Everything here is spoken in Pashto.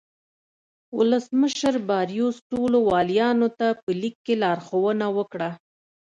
ولسمشر باریوس ټولو والیانو ته په لیک کې لارښوونه وکړه.